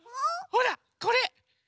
ほらこれ！